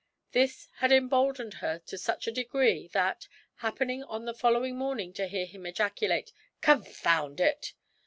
This had emboldened her to such a degree that, happening on the following morning to hear him ejaculate 'Confound it!'